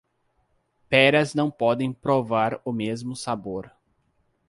Peras não podem provar o mesmo sabor.